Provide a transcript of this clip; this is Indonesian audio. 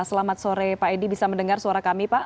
selamat sore pak edi bisa mendengar suara kami pak